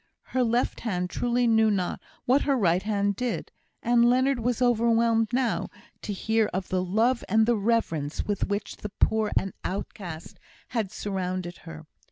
Her left hand truly knew not what her right hand did; and Leonard was overwhelmed now to hear of the love and the reverence with which the poor and outcast had surrounded her.